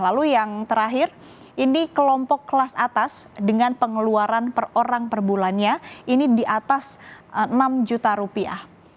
lalu yang terakhir ini kelompok kelas atas dengan pengeluaran per orang per bulannya ini di atas enam juta rupiah